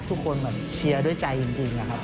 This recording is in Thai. ทุกคนเหมือนเชียร์ด้วยใจจริงนะครับ